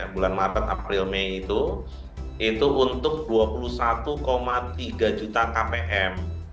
bulan maret april mei itu itu untuk dua puluh satu tiga juta kpm